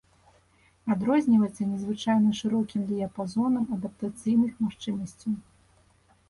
Адрозніваецца незвычайна шырокім дыяпазонам адаптацыйных магчымасцяў.